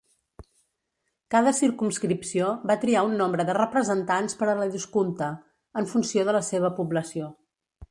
Cada circumscripció va triar un nombre de representants per l'Eduskunta en funció de la seva població.